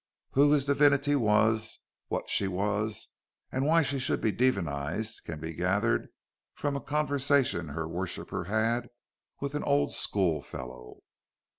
Who his divinity was, what she was, and why she should be divinised, can be gathered from a conversation her worshipper held with an old school fellow.